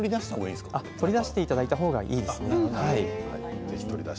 そのあと取り出していただいた方がいいですね。